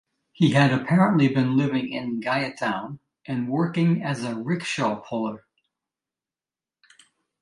He had apparently been living in Gaya town and working as a rickshawpuller.